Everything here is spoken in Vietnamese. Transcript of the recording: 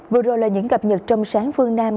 vừa rồi là những cập nhật trong sáng phương nam